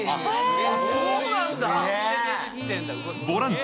そうなんだ。